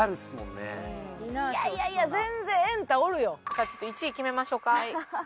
さあちょっと１位決めましょうか。